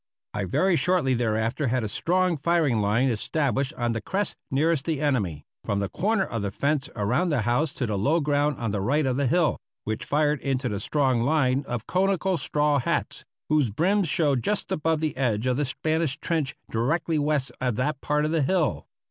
I very shortly thereafter had a strong firing line established on the crest nearest the enemy, from the corner of the fence around the house to the low ground on the right of the hill, which fired into the strong line of conical straw hats, whose brims showed just above the edge of the Spanish trench directly west of that part of the hill.